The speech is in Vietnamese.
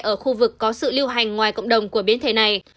ở khu vực có sự lưu hành ngoài cộng đồng của biến thể này